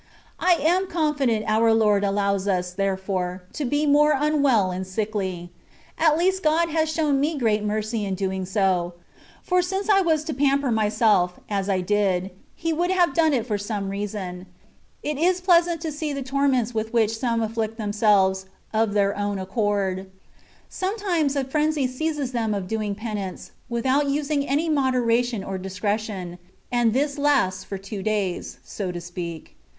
I am confident our Lord allows us, therefore, to be more unwell and sickly ; at least God has shown me great mercy in being so ; for since I was to pamper myself (as I did). He would have it done for some reason; it is pleasant to see the torments with which some afflict themselves, of their own accord. Some times a frenzy seizes them of doing penance, with out using any moderation or discretion, and this lasts for two days, so to speak.